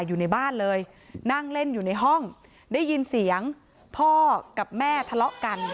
อยู่ในบ้านเลยนั่งเล่นอยู่ในห้องได้ยินเสียงพ่อกับแม่ทะเลาะกัน